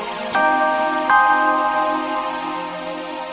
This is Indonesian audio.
kamu bicara pelan pelan dengan andi